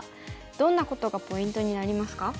どんなことがポイントになりますか？